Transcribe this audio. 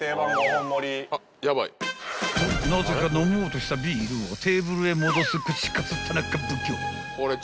［なぜか飲もうとしたビールをテーブルへ戻す串カツ田中奉行］